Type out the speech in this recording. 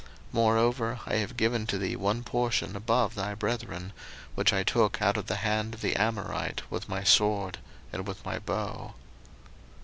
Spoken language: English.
01:048:022 Moreover I have given to thee one portion above thy brethren, which I took out of the hand of the Amorite with my sword and with my bow.